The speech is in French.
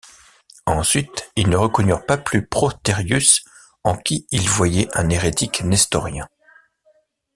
Ensuite ils ne reconnurent pas plus Protérius, en qui ils voyaient un hérétique nestorien.